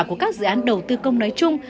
của các dự án đầu tư công nói chung